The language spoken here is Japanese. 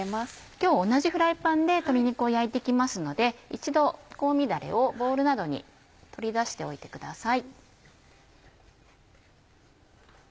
今日は同じフライパンで鶏肉を焼いて行きますので一度香味だれをボウルなどに取り出しておいてください。